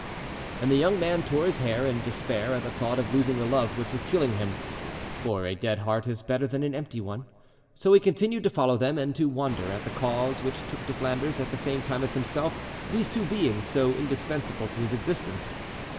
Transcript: And the young man tore his hair in despair at the thought of losing the love which was killing him; for a dead heart is better than an empty one. So he continued to follow them, and to wonder at the cause which took to Flanders, at the same time as himself, these two beings so indispensable to his existence.